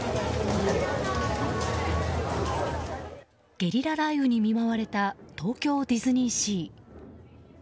ゲリラ雷雨に見舞われた東京ディズニーシー。